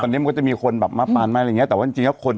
ตอนนี้มันก็จะมีคนแบบมาปานมาอะไรอย่างเงี้แต่ว่าจริงจริงแล้วคน